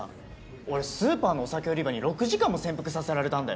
俺スーパーのお酒売り場に６時間も潜伏させられたんだよ？